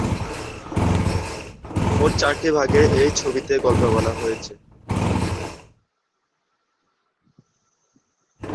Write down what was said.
মোট চারটি ভাগে এ ছবিতে গল্প বলা হয়েছে।